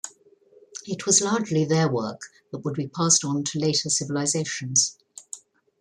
It was largely their work that would be passed on to later civilizations.